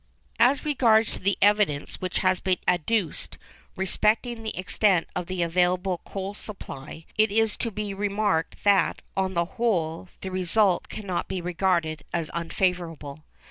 As regards the evidence which has been adduced respecting the extent of the available coal supply, it is to be remarked that, on the whole, the result cannot be regarded as unfavourable.